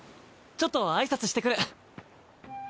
ちょっと挨拶してくる。